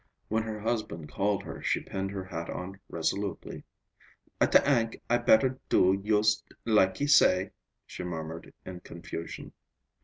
When her husband called her, she pinned her hat on resolutely. "I ta ank I better do yust like he say," she murmured in confusion.